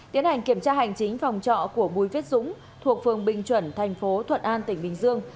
tiến hành kiểm tra hành chính phòng trọ của bùi viết dũng thuộc phường bình chuẩn thành phố thuận an tỉnh bình dương